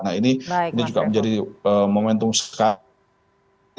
nah ini juga menjadi momentum sekarang